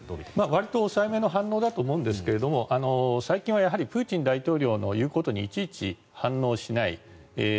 わりと抑えめの反応だと思うんですが最近はプーチン大統領の言うことにいちいち反応しない。